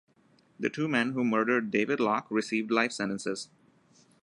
The two men who murdered David Locke received life sentences.